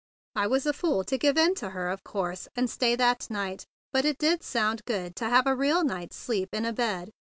I was a fool to give in to her, of course, and stay that night, but it did sound good to have a real night's sleep in a bed.